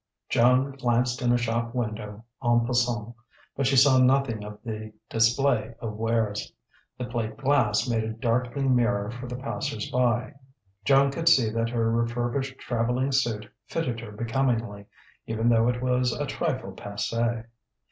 Joan glanced in a shop window, en passant; but she saw nothing of the display of wares. The plate glass made a darkling mirror for the passers by: Joan could see that her refurbished travelling suit fitted her becomingly, even though it was a trifle passé.